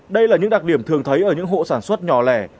đây là những đặc điểm thường thấy ở những hộ sản xuất nhỏ lẻ